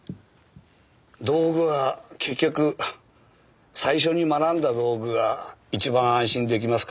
道具は結局最初に学んだ道具が一番安心出来ますからね。